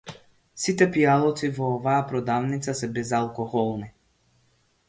Сите пијалоци во оваа продавница се безалкохолни.